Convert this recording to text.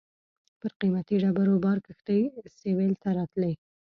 پر قیمتي ډبرو بار کښتۍ سېویل ته راتلې.